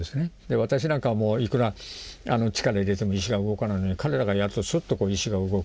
私なんかはもういくら力入れても石が動かないのに彼らがやるとスッと石が動くという。